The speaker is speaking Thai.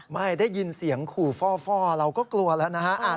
ไม่ได้ยินเสียงขู่ฟ่อเราก็กลัวแล้วนะฮะ